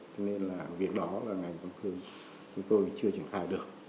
cho nên là việc đó là ngành công thương chúng tôi chưa triển khai được